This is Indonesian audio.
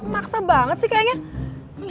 maksa banget sih kayaknya